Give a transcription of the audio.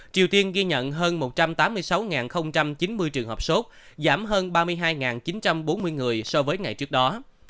triều tiên ghi nhận hơn một trăm tám mươi sáu chín mươi trường hợp sốt giảm hơn ba mươi hai chín trăm bốn mươi người so với ngày trước đó